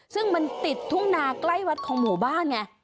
ซึ่งมันติดทุ่งนาใกล้วัดของหมู่บ้านไง